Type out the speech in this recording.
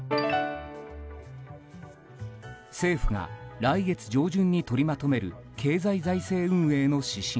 政府が来月上旬に取りまとめる経済財政運営の指針